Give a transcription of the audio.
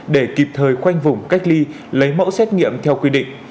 để kịp thời khoanh vùng cách ly lấy mẫu xét nghiệm theo quy định